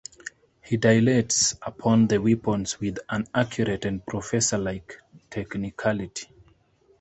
He dilates upon the weapons with an accurate and professor-like technicality.